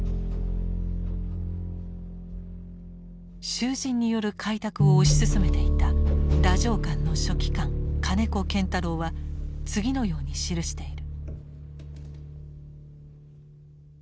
囚人による開拓を推し進めていた太政官の書記官金子堅太郎は次のように記している。